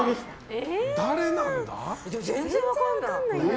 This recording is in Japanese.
全然、分かんない。